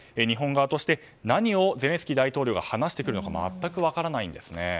日本側として何をゼレンスキー大統領が話してくるのか全く分からないんです。